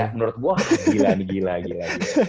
menurut gue gila nih gila